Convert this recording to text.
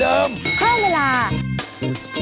ติดต้ารัก